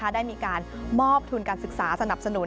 ได้มีการมอบทุนการศึกษาสนับสนุน